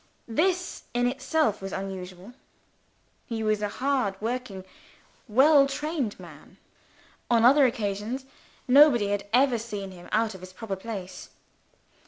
This, in itself, was unusual. He was a hard working well trained man. On other occasions, nobody had ever seen him out of his proper place.